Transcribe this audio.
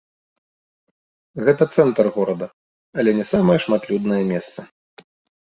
Гэта цэнтр горада, але не самае шматлюднае месца.